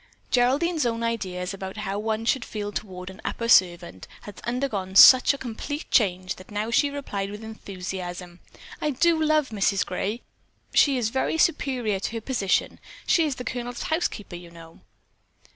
Geraldine's own ideas about how one should feel toward an "upper servant" had undergone such a complete change that she now replied with enthusiasm: "I do love Mrs. Gray. She is very superior to her position. She is the Colonel's housekeeper, you know."